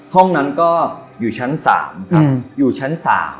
ห้องนั้นก็อยู่ชั้น๓ครับอยู่ชั้น๓